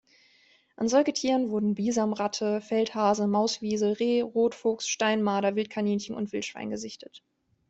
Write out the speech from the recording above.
An Säugetieren wurden Bisamratte, Feldhase, Mauswiesel, Reh, Rotfuchs, Steinmarder, Wildkaninchen und Wildschwein gesichtet.